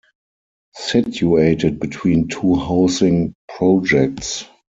Situated between two housing projects.